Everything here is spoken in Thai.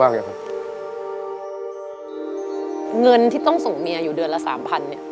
เงินที่ต้องส่งเมียอยู่เดือนละ๓๐๐๐บาท